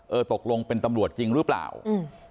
เออตกลงเป็นตำรวจจริงหรือเปล่าอืม